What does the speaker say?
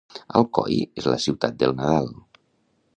Alcoi és la ciutat del Nadal